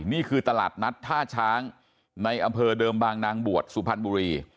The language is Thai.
นี่คือตลาดนัดท่าช้างในอำเภอเดิมบางนางบวชสุพรรณบุรี